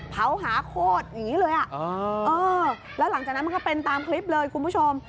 เผาหาโคตรอย่างนี้เลยแล้วหลังจากนั้นมันก็เป็นตามคลิปเลยคุณผู้ชม